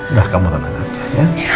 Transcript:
udah kamu kenapa napa ya